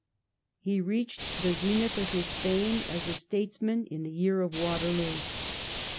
He reached the zenith of his fame as a statesman in the year of Waterloo.